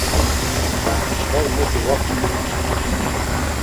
Çkar mutu va ptkvi.